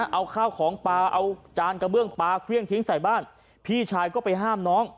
เอาข้าวของปลาเอาจานกระเบื้องปลาเครื่องทิ้งใส่บ้านพี่ชายก็ไปห้ามน้อง